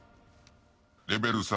レベル３。